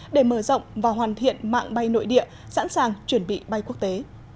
để mở rộng và hoàn thiện mạng bay nội địa sẵn sàng chuẩn bị bay quốc tế